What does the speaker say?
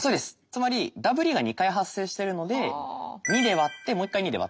つまりダブリが２回発生してるので２で割ってもう一回２で割ってあげる。